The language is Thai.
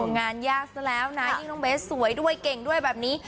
งานยากซะแล้วนะยิ่งน้องเบสสวยด้วยเก่งด้วยแบบนี้